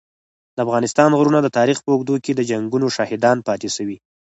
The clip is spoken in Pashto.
د افغانستان غرونه د تاریخ په اوږدو کي د جنګونو شاهدان پاته سوي.